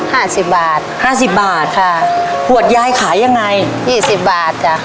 ห้าสิบบาทห้าสิบบาทค่ะขวดยายขายยังไงยี่สิบบาทจ้ะ